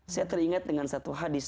saya teringat dengan satu hadis